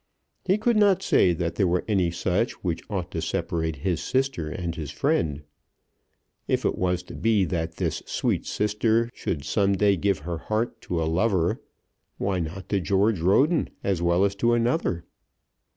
He could not say that there were any such which ought to separate his sister and his friend. If it was to be that this sweet sister should some day give her heart to a lover, why not to George Roden as well as to another?